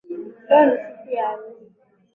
Leo ni siku ya harusi